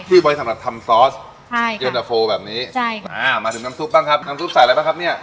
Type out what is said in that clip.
ไว้สำหรับทำซอสใช่เย็นตะโฟแบบนี้ใช่ค่ะอ่ามาถึงน้ำซุปบ้างครับน้ำซุปใส่อะไรบ้างครับเนี่ย